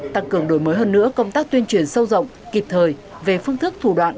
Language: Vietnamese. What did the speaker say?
tăng cường đổi mới hơn nữa công tác tuyên truyền sâu rộng kịp thời về phương thức thủ đoạn